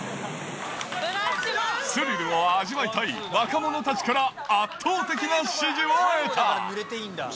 スリルを味わいたい若者たちから圧倒的な支持を得た。